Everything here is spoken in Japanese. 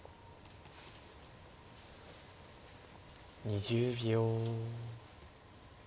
２０秒。